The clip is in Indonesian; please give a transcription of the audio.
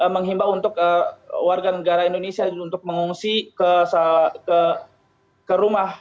menghimbau untuk warga negara indonesia untuk mengungsi ke rumah